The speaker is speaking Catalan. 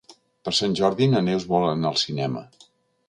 Per Sant Jordi na Neus vol anar al cinema.